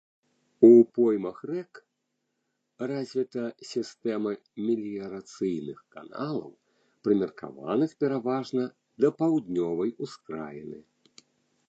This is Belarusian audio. У поймах рэк развіта сістэма меліярацыйных каналаў, прымеркаваных пераважна да паўднёвай ускраіны.